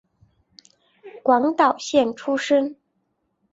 广岛县出身。